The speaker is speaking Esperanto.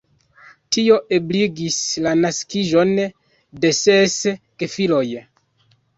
Tio ebligis la naskiĝon de ses gefiloj.